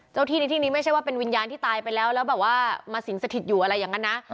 ที่ในที่นี้ไม่ใช่ว่าเป็นวิญญาณที่ตายไปแล้วแล้วแบบว่ามาสิงสถิตอยู่อะไรอย่างนั้นนะ